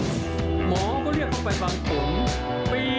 สมองมันเลือดก่อนก็ร่ดี